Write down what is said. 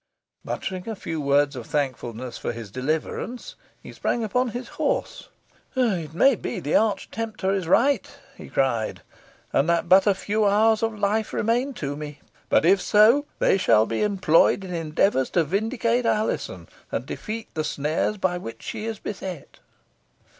Muttering a few words of thankfulness for his deliverance, he sprang upon his horse. "It may be the arch tempter is right," he cried, "and that but few hours of life remain to me; but if so, they shall be employed in endeavours to vindicate Alizon, and defeat the snares by which she is beset."